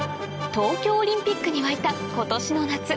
東京オリンピックに沸いた今年の夏